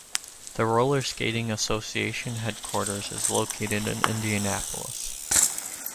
The Roller Skating Association headquarters is located in Indianapolis.